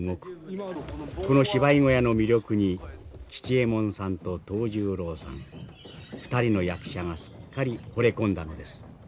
この芝居小屋の魅力に吉右衛門さんと藤十郎さん２人の役者がすっかりほれ込んだのです。